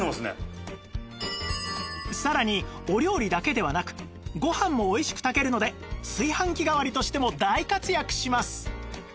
さらにお料理だけではなくご飯もおいしく炊けるので炊飯器代わりとしても大活躍します！